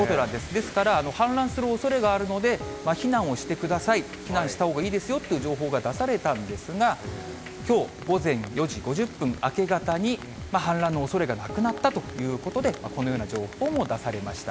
ですから、氾濫するおそれがあるので、避難をしてください、避難したほうがいいですよという情報が出されたんですが、きょう午前４時５０分、明け方に、氾濫のおそれがなくなったということで、このような情報も出されました。